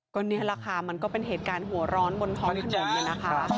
ก็นี่แหละค่ะมันก็เป็นเหตุการณ์หัวร้อนบนท้องถนนนะคะ